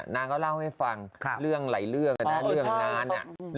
นางก็เล่าให้ฟังเรื่องหลายเรื่องนะเรื่องงาน